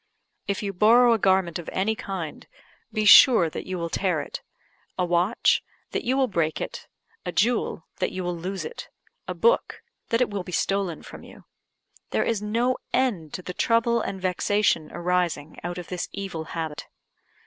If you borrow a garment of any kind, be sure that you will tear it; a watch, that you will break it; a jewel, that you will lose it; a book, that it will be stolen from you. There is no end to the trouble and vexation arising out of this evil habit.